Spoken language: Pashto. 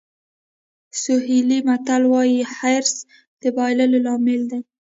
سوهیلي متل وایي حرص د بایللو لامل دی.